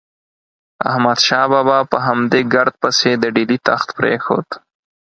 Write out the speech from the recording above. احمد شاه بابا په همدې ګرد پسې د ډیلي تخت پرېښود.